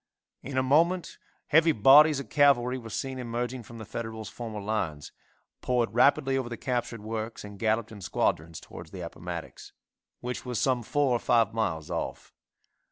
In a moment heavy bodies of cavalry were seen emerging from the Federals' former lines, poured rapidly over the captured works and galloped in squadrons towards the Appomattox, which was some four or five miles off.